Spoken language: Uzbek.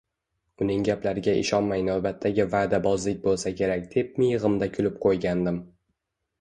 Uning gaplariga ishonmay navbatdagi vaʼdabozlik boʻlsa kerak deb miyigʻimda kulib qoʻygandim.